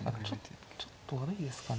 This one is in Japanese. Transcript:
ちょっと悪いですかね。